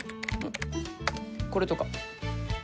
これとか。